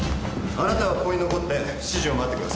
あなたはここに残って指示を待ってください。